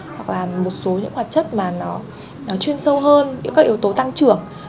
hoặc là một số những hoạt chất mà nó chuyên sâu hơn những các yếu tố tăng trưởng